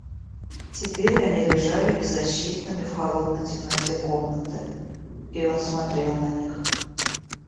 Теперь они лежали беззащитными в холодной темноте комнаты, и он смотрел на них.